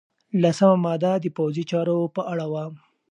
لسمه ماده د پوځي چارو په اړه وه.